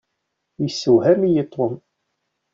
Yessewhem-iyi Tom.